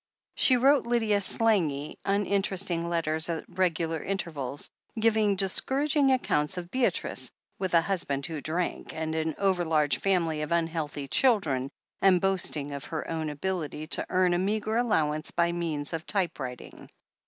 She wrote Lydia slangy, uninteresting letters at reg ular intervals, giving discouraging accoimts of Beatrice, with a husband who drank, and an over large family of unhealthy children, and boasting of her own ability to earn a meagre allowance by means of tjrpewriting.